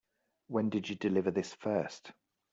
When did you deliver this first?